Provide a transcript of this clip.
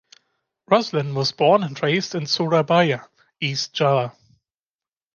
Ruslan was born and raised in Surabaya, East Java.